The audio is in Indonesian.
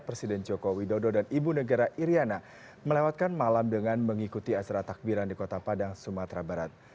presiden joko widodo dan ibu negara iryana melewatkan malam dengan mengikuti acara takbiran di kota padang sumatera barat